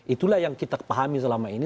itulah yang kita pahami selama ini